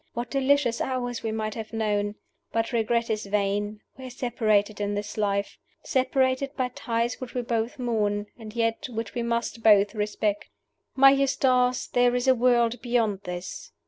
what delicious hours we might have known! But regret is vain; we are separated in this life separated by ties which we both mourn, and yet which we must both respect. My Eustace, there is a world beyond this.